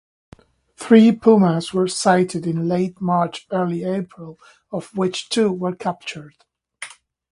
Three pumas were sighted in late March–early April of which two were captured.